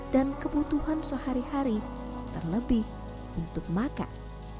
dan kebutuhan sehari hari terlebih untuk makan